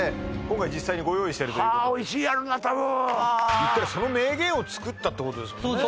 今回実際にご用意してるというはあおいしいやろな多分言ったらその名言を作ったってことですもんね